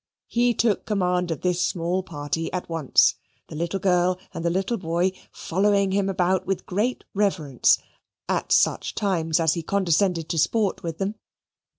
He took the command of this small party at once the little girl and the little boy following him about with great reverence at such times as he condescended to sport with them.